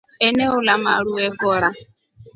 Eneola maru ekora.